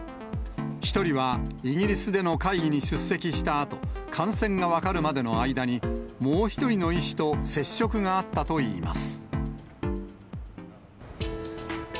１人はイギリスでの会議に出席したあと、感染が分かるまでの間に、もう１人の医師と接触があったといいます。